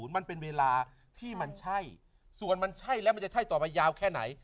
มันเป็นเวลาที่มันใช่ส่วนมันใช่แล้วมันจะใช่ต่อไปยาวแค่ไหน